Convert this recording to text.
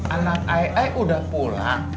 anak ai udah pulang